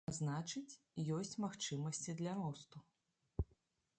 А значыць, ёсць магчымасці для росту.